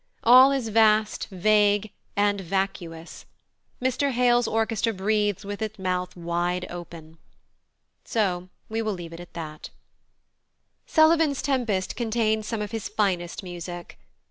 All is vast, vague, and vacuous. Mr Hale's orchestra breathes with its mouth wide open." So we will leave it at that. +Sullivan's+ Tempest contains some of his finest music.